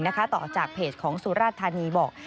ต่อจากเพจของสุราชธานีบอก